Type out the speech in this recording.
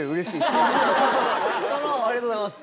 ありがとうございます。